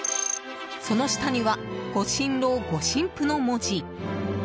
その下には「ご新郎・ご新婦」の文字。